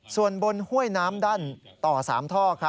ส่วนบนห้วยน้ำด้านต่อ๓ท่อ